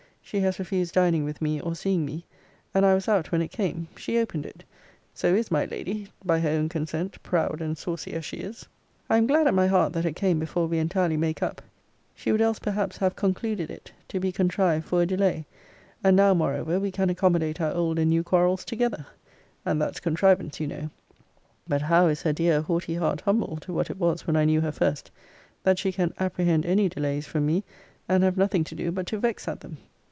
She has refused dining with me, or seeing me: and I was out when it came. She opened it: so is my lady by her own consent, proud and saucy as she is. I am glad at my heart that it came before we entirely make up. She would else perhaps have concluded it to be contrived for a delay: and now, moreover, we can accommodate our old and new quarrels together; and that's contrivance, you know. But how is her dear haughty heart humbled to what it was when I knew her first, that she can apprehend any delays from me; and have nothing to do but to vex at them!